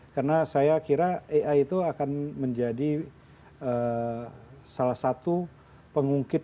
karena saya kira ai itu akan menjadi salah satu pengungkit